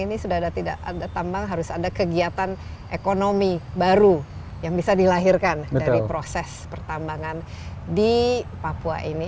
ini sudah ada tidak ada tambang harus ada kegiatan ekonomi baru yang bisa dilahirkan dari proses pertambangan di papua ini